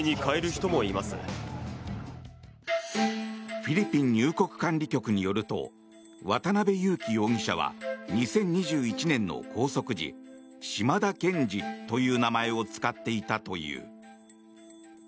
フィリピン入国管理局によると渡邉優樹容疑者は２０２１年の拘束時シマダ・ケンジという名前を使っていたという。